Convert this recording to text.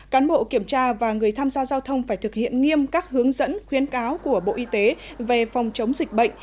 cán bộ kiểm tra và người tham gia giao thông phải thực hiện nghiêm các hướng dẫn khuyến cáo của bộ y tế về phòng chống dịch bệnh